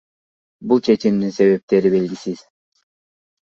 Бул чечимдин себептери белгисиз.